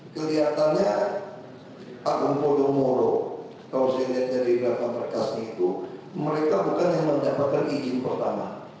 kelihatannya agung podomoro kausenet dari belakang rekas itu mereka bukan yang mendapatkan izin pertama